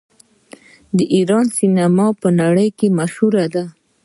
د ایران سینما په نړۍ کې مشهوره ده.